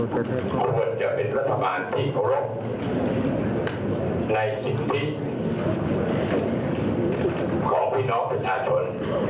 ควรจะเป็นรัฐบาลที่โครงในสิทธิของพี่น้องประชาชน